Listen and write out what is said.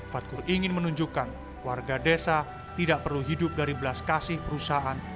fadkur ingin menunjukkan warga desa tidak perlu hidup dari belas kasih perusahaan